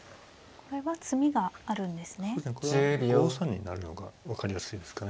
これは５三に成るのが分かりやすいですかね。